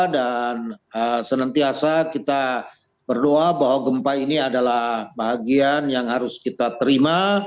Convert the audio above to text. dan senantiasa kita berdoa bahwa gempa ini adalah bahagian yang harus kita terima